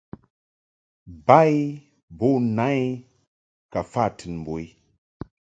Ba i bo na i ka fa tɨn mbo i.